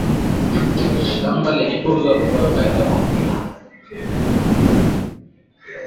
shamba likitunzwa hutoa faida kwa mkulima